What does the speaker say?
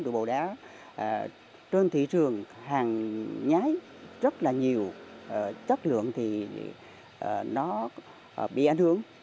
rượu bào đá trên thị trường hàng nhái rất là nhiều chất lượng thì nó bị ảnh hưởng